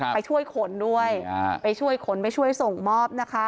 ไปช่วยขนด้วยไปช่วยขนไปช่วยส่งมอบนะคะ